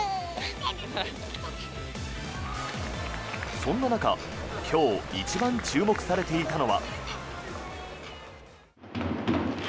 そんな中今日一番注目されていたのは。